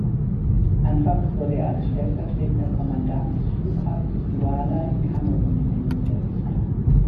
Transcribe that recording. Anfangs wurde er als stellvertretender Kommandant des Flughafens Douala in Kamerun eingesetzt.